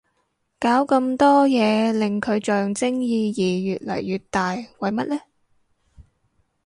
搞咁多嘢令佢象徵意義越嚟越大為乜呢